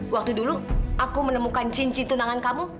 waktu dulu aku menemukan cinci tunangan kamu